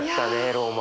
ローマ。